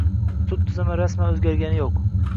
Sud tizimi rasman oʻzgargani yoʻq.